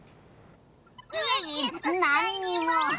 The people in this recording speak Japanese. いえいえなんにも。